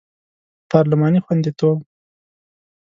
پارلماني خوندیتوب